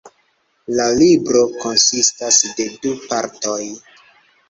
La libro konsistas de du partoj.